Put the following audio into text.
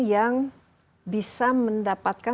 yang bisa mendapatkan